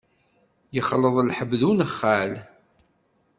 Yexleḍ lḥeb d unexxal.